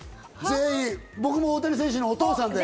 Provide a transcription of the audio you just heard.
僕も大谷選手のお父さんで。